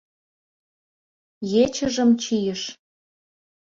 Ечыжым чийыш...